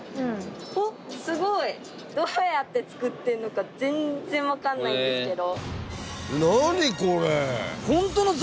どうやって作ってるのか全然分かんないんですけど。